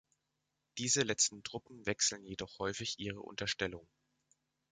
Diese letzten Truppen wechselten jedoch häufig ihre Unterstellung.